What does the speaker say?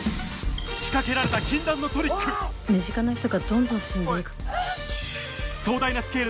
仕掛けられた禁断のトリック身近な人がどんどん死んでいく。